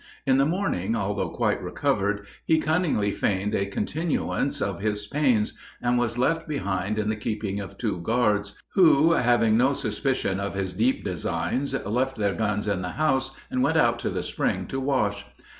In the morning, although quite recovered, he cunningly feigned a continuance of his pains, and was left behind in the keeping of two guards, who, having no suspicion of his deep designs, left their guns in the house and went out to the spring to wash.